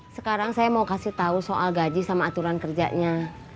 sekarang saya mau kasih tahu soal gaji sama aturan kerjanya